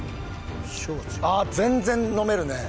ああー全然飲めるね。